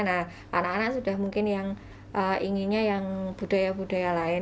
nah anak anak sudah mungkin yang inginnya yang budaya budaya lain